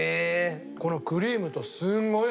このクリームとすごい合ってる。